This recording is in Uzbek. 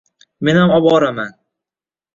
Menam oboraman!